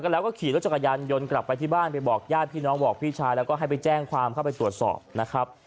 แล้วก็ขี่รถจักรยานยนต์กลับไปที่บ้านไปบอกญาติพี่น้องบอกพี่ชายแล้วก็ให้ไปแจ้งความเข้าไปตรวจสอบนะครับ